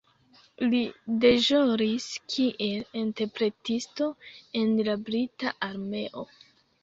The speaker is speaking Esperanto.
Li deĵoris kiel interpretisto en la brita armeo.